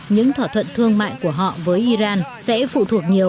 những thỏa thuận thương mại của họ với iran sẽ phụ thuộc nhiều